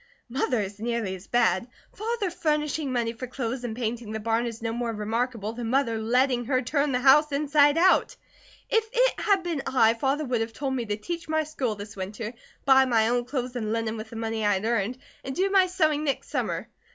"Mother is nearly as bad. Father furnishing money for clothes and painting the barn is no more remarkable than Mother letting her turn the house inside out. If it had been I, Father would have told me to teach my school this winter, buy my own clothes and linen with the money I had earned, and do my sewing next summer.